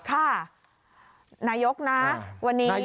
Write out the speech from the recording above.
ค่ะนายกนะวันนี้